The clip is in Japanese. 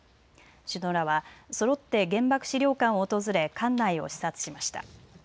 首脳らはそろって原爆資料館を訪れ館内を視察しました。